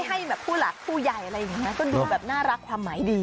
ให้แบบผู้หลักผู้ใหญ่อะไรอย่างนี้ก็ดูแบบน่ารักความหมายดี